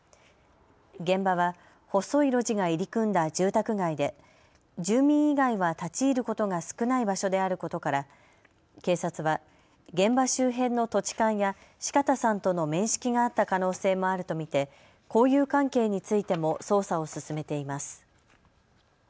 現場は細い路地が入り組んだ住宅街で住民以外は立ち入ることが少ない場所であることから警察は現場周辺の土地勘や四方さんとの面識があった可能性もあると見て交友関係についても捜査を進めています。